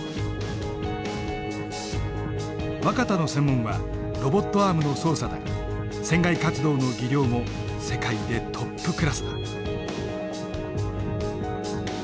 若田の専門はロボットアームの操作だが船外活動の技量も世界でトップクラスだ。